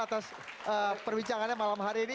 atas perbincangannya malam hari ini